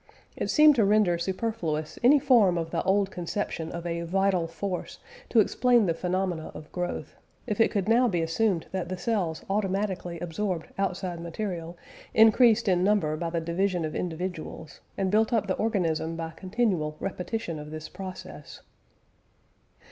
It seemed to render superfluous any form of the old conception of a "vital force" to explain the phenomena of growth, if it could now be assumed that the cells automatically absorbed outside material, increased in number by the division of individuals, and built up the organism by continual repetition of this process.